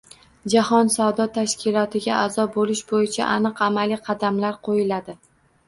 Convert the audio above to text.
Jahon savdo tashkilotiga a’zo bo‘lish bo‘yicha aniq amaliy qadamlar qo‘yiladi.